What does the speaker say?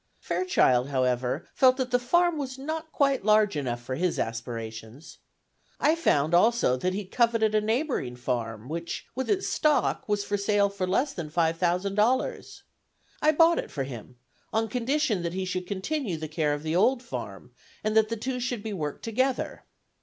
Fairchild, however, felt that the farm was not quite large enough for his aspirations. I found also that he coveted a neighboring farm, which, with its stock, was for sale for less than five thousand dollars. I bought it for him, on condition that he should continue the care of the old farm, and that the two should be worked together.